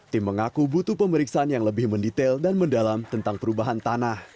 tim mengaku butuh pemeriksaan yang lebih mendetail dan mendalam tentang perubahan tanah